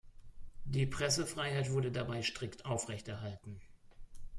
Die Pressefreiheit wurde dabei strikt aufrechterhalten.